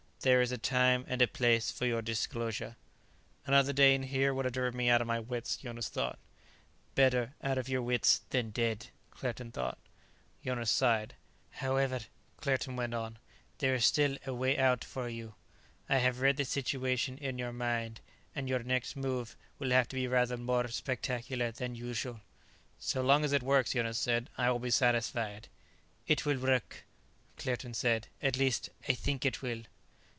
There is a time and a place for your disclosure " "Another day in here would have driven me out of my wits," Jonas thought. "Better out of your wits than dead," Claerten thought. Jonas sighed. "However," Claerten went on, "there is still a way out for you. I have read the situation in your mind, and your next move will have to be rather more spectacular than usual." "So long as it works," Jonas said, "I will be satisfied." "It will work," Claerten said. "At least I think it will."